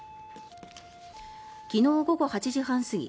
昨日午後８時半過ぎ